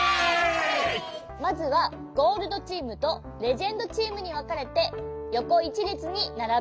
まずはゴールドチームとレジェンドチームにわかれてよこ１れつにならぶ。